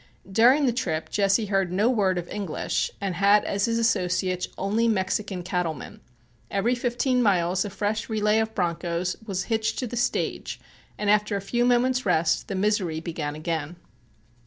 During the trip Jesse heard no word of English and had as his associates only Mexican cattlemen. Every fifteen miles a fresh relay of broncos was hitched to the stage and after a few moments' rest the misery began again.